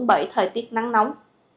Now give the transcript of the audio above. với thời tiết nắng nóng